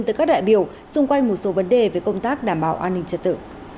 từ các đại biểu xung quanh một số vấn đề về công tác đảm bảo an ninh trật tự